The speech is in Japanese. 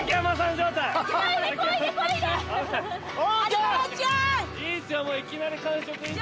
「竹山さん状態」お！